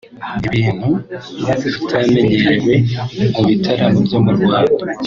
ibintu bitamenyerewe mu bitaramo byo mu Rwanda